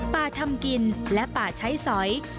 ทำกินและป่าใช้สอย